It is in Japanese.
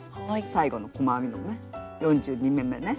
最後の細編みのね４２目めね。